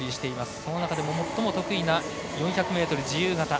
その中でも最も得意な４００ｍ自由形。